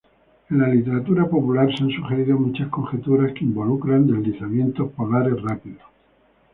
En la literatura popular se han sugerido muchas conjeturas que involucran deslizamientos polares rápidos.